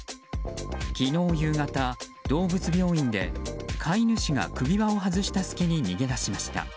昨日夕方、動物病院で飼い主が首輪を外した隙に逃げ出しました。